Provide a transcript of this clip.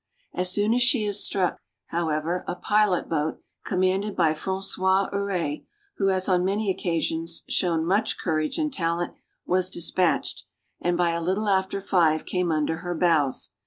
As soon as she had struck, however, a pilot boat, commanded by Francois Heuret, who has on many occasions shown much courage and talent, was dispatched, and by a little after five came under her bows.